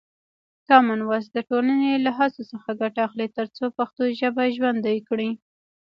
کامن وایس د ټولنې له هڅو څخه ګټه اخلي ترڅو پښتو ژبه ژوندۍ کړي.